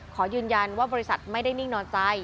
ขอยืนยันว่าบริษัทไม่ได้นิ่งนอนใจ